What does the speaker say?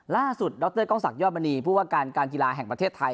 ล่าสุดดรกองศักย์ย่อมณีพูดว่าการกีฬาแห่งประเทศไทย